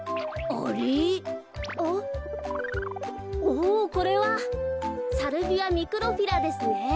おぉこれはサルビアミクロフィラですね。